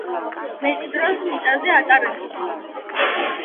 მეტ დროს მიწაზე ატარებენ.